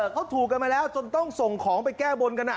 เขาถูกกันมาแล้วจนต้องส่งของไปแก้บนกัน